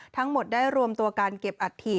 ทั้งหมดได้รวมตัวการเก็บอัฐิ